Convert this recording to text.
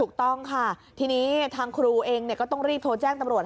ถูกต้องค่ะทีนี้ทางครูเองก็ต้องรีบโทรแจ้งตำรวจ